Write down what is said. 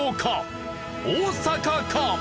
大阪か？